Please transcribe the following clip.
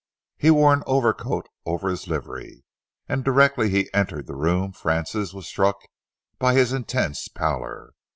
He wore an overcoat over his livery, and directly he entered the room Francis was struck by his intense pallor.